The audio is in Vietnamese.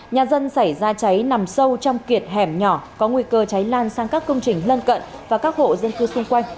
nhà dân xảy ra cháy nằm sâu trong kiệt hẻm nhỏ có nguy cơ cháy lan sang các công trình lân cận và các hộ dân cư xung quanh